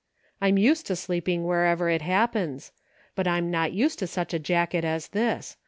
"I'm used to sleeping wherever it hap pens ; but I'm not used to such a jacket as this.